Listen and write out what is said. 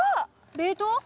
冷凍？